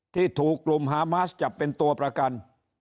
ที่ถูกกลุ่มฮามาสจับเป็นตัวประกัน